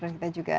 dan kita juga